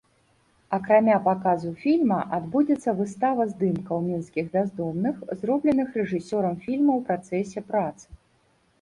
Акрамя паказу фільма адбудзецца выстава здымкаў мінскіх бяздомных, зробленых рэжысёрам фільма ў працэсе працы.